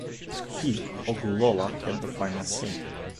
He, Ogulola had the final say.